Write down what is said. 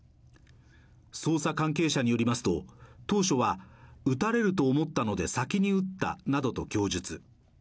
捜査関係者によりますと、当初は撃たれると思ったので、先に撃ったなどと供述。